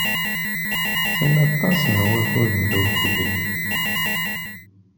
Kkan aṭas n wakud ddukkli.